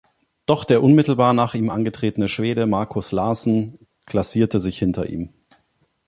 Doch der unmittelbar nach ihm angetretene Schwede Markus Larsson klassierte sich hinter ihm.